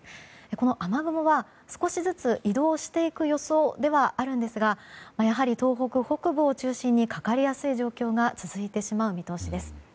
この雨雲は少しずつ移動していく予想ではあるんですがやはり東北北部を中心にかかりやすい状況が続いてしまう見通しです。